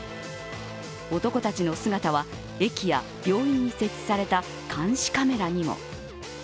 男たちの姿は駅や病院に設置された監視カメラにも。